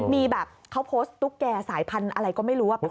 มีแบบเขาโพสต์ตุ๊กแก่สายพันธุ์อะไรก็ไม่รู้ว่า